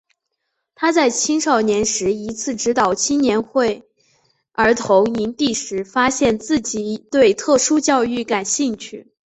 他在青少年时一次指导青年会儿童营地时发现自己对特殊教育感兴趣。